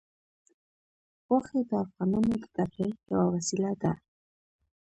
غوښې د افغانانو د تفریح یوه وسیله ده.